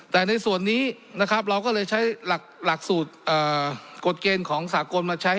แต่ในส่วนนี้นะครับเราก็เลยใช้หลักสูตรกฎเกณฑ์ของสากลมาใช้